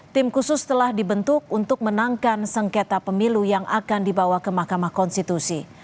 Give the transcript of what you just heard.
tim khusus telah dibentuk untuk menangkan sengketa pemilu yang akan dibawa ke mahkamah konstitusi